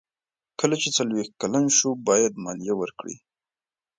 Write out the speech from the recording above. کله چې څلویښت کلن شو باید مالیه ورکړي.